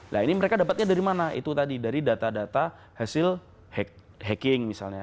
nah ini mereka dapatnya dari mana itu tadi dari data data hasil hacking misalnya